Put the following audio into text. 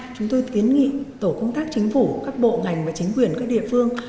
chúng tôi kiến nghị tổ công tác chính phủ các bộ ngành và chính quyền các địa phương